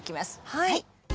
はい。